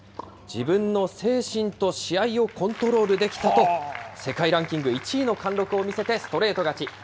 自分の精神と試合をコントロールできたと、世界ランキング１位の貫禄を見せてストレート勝ち。